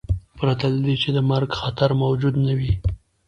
پرته له دې چې د مرګ خطر موجود نه و.